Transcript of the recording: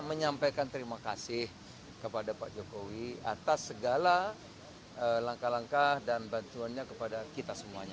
menyampaikan terima kasih kepada pak jokowi atas segala langkah langkah dan bantuannya kepada kita semuanya